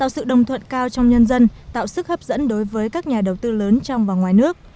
sự đồng thuận cao trong nhân dân tạo sức hấp dẫn đối với các nhà đầu tư lớn trong và ngoài nước